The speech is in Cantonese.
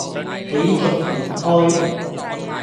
喜逐言開